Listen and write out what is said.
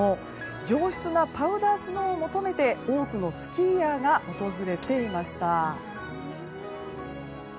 上質なパウダースノーを求めて多くのスキーヤーが訪れていました。